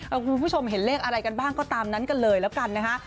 คุณผู้ชมเห็นเลขอะไรกันบ้างก็ตามนั้นกันเลยแล้วกันนะฮะ